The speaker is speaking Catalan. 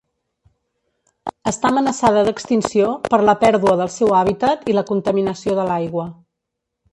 Està amenaçada d'extinció per la pèrdua del seu hàbitat i la contaminació de l'aigua.